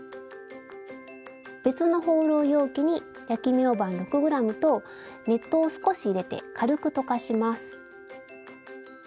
別のホウロウ容器に焼きみょうばん６ｇと熱湯を少し入れて軽く溶かします。